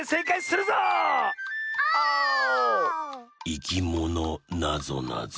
「いきものなぞなぞ」